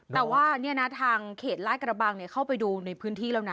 แต่ว่าทางเขตลาดกระบังเข้าไปดูในพื้นที่แล้วนะ